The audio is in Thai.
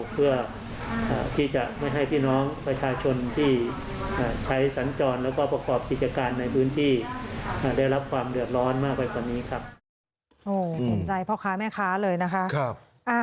เพื่อที่จะไม่ให้พี่น้องประชาชนที่ใช้สัญจรแล้วก็ประกอบกิจการในพื้นที่ได้รับความเดือดร้อนมากไปกว่านี้ครับ